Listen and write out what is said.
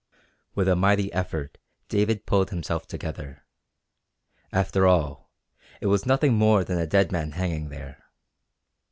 With a mighty effort David pulled himself together. After all, it was nothing more than a dead man hanging there.